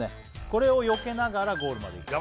これをよけながらゴールまでいく